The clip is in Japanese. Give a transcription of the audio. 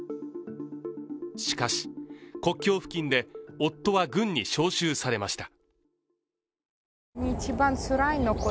しかし、国境付近で夫は軍に招集されました。